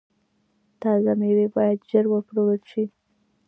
تازه میوې باید ژر وپلورل شي.